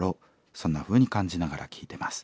そんなふうに感じながら聴いてます。